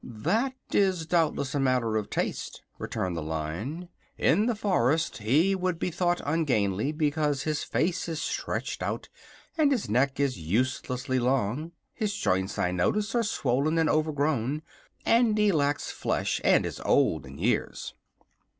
"That is doubtless a matter of taste," returned the Lion. "In the forest he would be thought ungainly, because his face is stretched out and his neck is uselessly long. His joints, I notice, are swollen and overgrown, and he lacks flesh and is old in years."